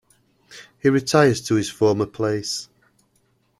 He retires to his former place.